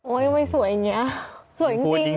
โอ๊ยทำไมสวยอย่างนี้